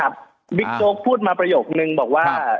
บิ๊กโจ๊กพูดมาประโยคนึงบอกว่า